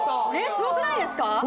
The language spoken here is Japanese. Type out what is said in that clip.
すごくないですか？